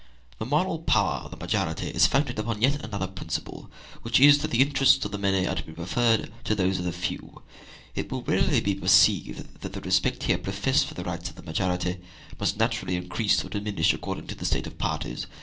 The moral power of the majority is founded upon yet another principle, which is, that the interests of the many are to be preferred to those of the few. It will readily be perceived that the respect here professed for the rights of the majority must naturally increase or diminish according to the state of parties.